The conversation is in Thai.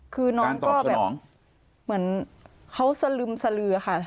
คือน้องก็แบบเหมือนเขาสลึมสลือค่ะ